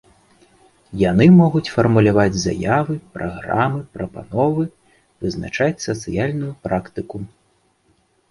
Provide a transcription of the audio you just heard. Яны могуць фармуляваць заявы, праграмы, прапановы, вызначаць сацыяльную практыку.